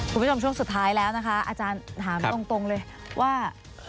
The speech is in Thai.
คุณผู้ชมช่วงสุดท้ายแล้วนะคะอาจารย์ถามตรงเลยว่า